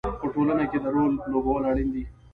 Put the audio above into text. په ټولنه کې د رول لوبول اړین دي.